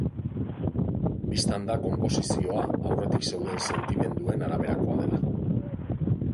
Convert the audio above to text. Bistan da konposizioa aurretik zeuden sedimentuen araberakoa dela.